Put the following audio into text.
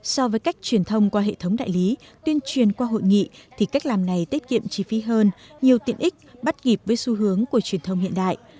so với cách truyền thông qua hệ thống đại lý tuyên truyền qua hội nghị thì cách làm này tiết kiệm chi phí hơn nhiều tiện ích bắt kịp với xu hướng của truyền thông hiện đại